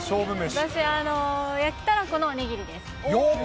私、焼きたらこのおにぎりです。